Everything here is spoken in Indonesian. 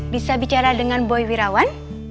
bisa bicara dengan boy wirawan